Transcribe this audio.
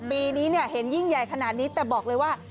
ปีนี้เห็นยิ่งใหญ่ขนาดนี้แต่บอกเลยว่า